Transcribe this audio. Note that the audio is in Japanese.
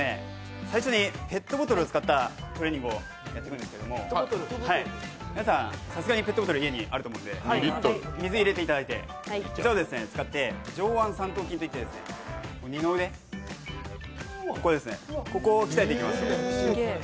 最初にペットボトルを使ったトレーニングをやっていきたいと思うんですけど皆さん、さすがにペットボトル家にあると思うんで水を入れていただいて、これを使って上腕三頭筋といって二の腕を鍛えていきますので。